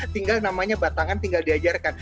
tinggal namanya batangan tinggal diajarkan